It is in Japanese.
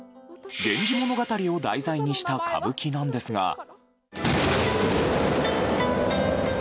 「源氏物語」を題材にした歌舞伎なんですが。